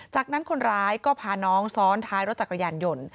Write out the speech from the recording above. จากนั้นคนร้ายก็พาน้องซ้อนท้ายรถจักรยานยนต์